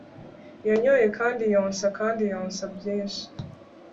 Yanyoye kandi yonsa kandi yonsa byinshi